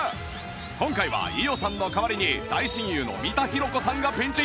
今回は伊代さんの代わりに大親友の三田寛子さんがピンチヒッター！